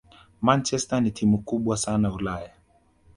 Manchester ni timu kubwa sana Ulaya